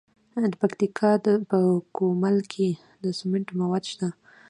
د پکتیکا په ګومل کې د سمنټو مواد شته.